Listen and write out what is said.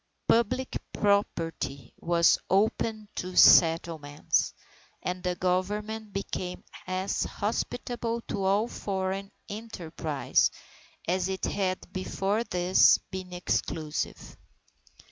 Public property was opened to settlement, and the Government became as hospitable to all foreign enterprise as it had before this been exclusive.